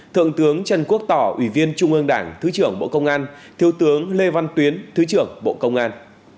thượng tướng trần quốc tỏ ủy viên trung ương đảng thứ trưởng bộ công an thiếu tướng lê văn tuyến thứ trưởng bộ công an